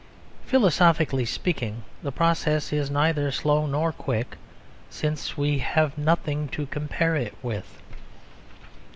Philosophically speaking, the process is neither slow nor quick since we have nothing to compare it with.